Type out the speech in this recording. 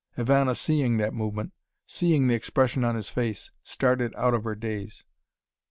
Ivana, seeing that movement, seeing the expression on his face, started out of her daze.